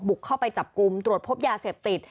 เข้าไปจับกลุ่มตรวจพบยาเสพติด